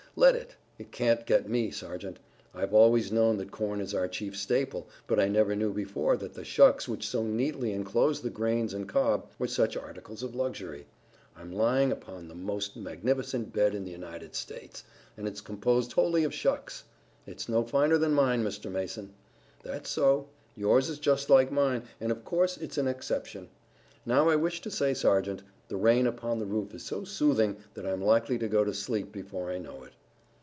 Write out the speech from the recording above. "Let it. It can't get me. Sergeant, I've always known that corn is our chief staple, but I never knew before that the shucks, which so neatly enclose the grains and cob, were such articles of luxury. I'm lying upon the most magnificent bed in the United States, and it's composed wholly of shucks." "It's no finer than mine, Mr. Mason." "That's so. Yours is just like mine, and, of course, it's an exception. Now, I wish to say, Sergeant, the rain upon the roof is so soothing that I'm likely to go to sleep before I know it."